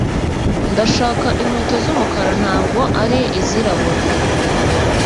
Ndashaka inkweto z'umukara ntabwo ari izirabura